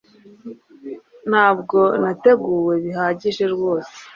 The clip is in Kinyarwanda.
Ntabwo nateguwe bihagije rwose